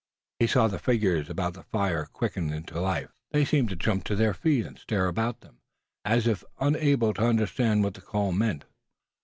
He saw the figures about the fire quicken into life. They seemed to jump to their feet, and stare about them, as if unable to understand what that call meant.